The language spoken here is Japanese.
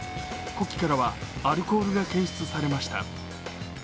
呼気からはアルコールが検出されました。